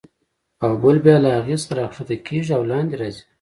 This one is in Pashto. او بل بیا له هغې څخه راکښته کېږي او لاندې راځي.